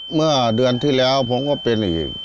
เมื่อเดือนที่แล้วผมก็เป็นอีก